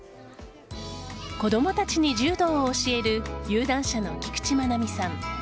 子供たちに柔道を教える有段者の菊地愛美さん。